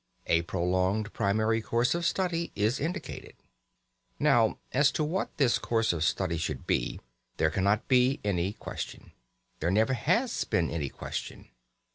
A prolonged primary course of study is indicated. Now as to what this course of study should be there cannot be any question; there never has been any question.